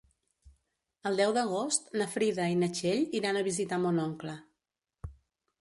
El deu d'agost na Frida i na Txell iran a visitar mon oncle.